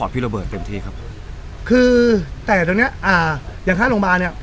พี่โรเบิร์ตเต็มที่ครับคือแต่ตรงเนี้ยอ่าอย่างถ้าโรงพยาบาลเนี้ย